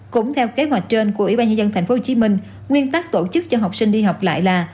cũng theo kế hoạch trên của ủy ban nhân dân tp hcm nguyên tắc tổ chức cho học sinh đi học lại là